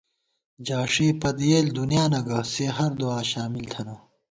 جاݭےپت یېل دُنیانہ گہ سےہر دُعا شامل تھنہ